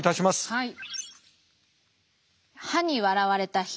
はい。